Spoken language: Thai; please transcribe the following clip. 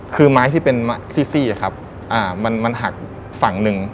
คือไม้ที่เป็นซี่ครับมันหักฝั่งหนึ่ง